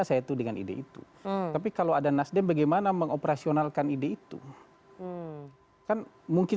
saya itu dengan ide itu tapi kalau ada nasdem bagaimana mengoperasionalkan ide itu kan mungkin